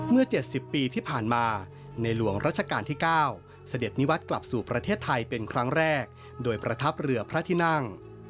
๗๐ปีที่ผ่านมาในหลวงรัชกาลที่๙เสด็จนิวัตรกลับสู่ประเทศไทยเป็นครั้งแรกโดยประทับเรือพระที่นั่ง